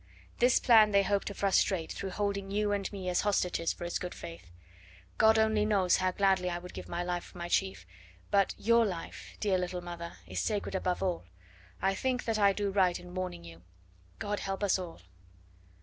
This plan they hope to frustrate through holding you and me as hostages for his good faith. God only knows how gladly I would give my life for my chief... but your life, dear little mother... is sacred above all.... I think that I do right in warning you. God help us all.